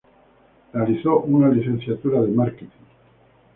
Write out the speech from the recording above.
Realizó una licenciatura de Marketing.